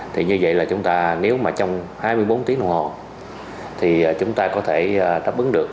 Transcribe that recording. thì như vậy là chúng ta nếu mà trong hai mươi bốn tiếng đồng hồ thì chúng ta có thể đáp ứng được